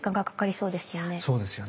そうですよね。